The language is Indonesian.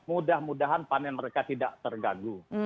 mudah mudahan panen mereka tidak terganggu